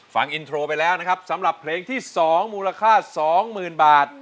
ฟังอินโทรไปแล้วนะครับสำหรับเพลงที่๒มูลค่า๒๐๐๐บาท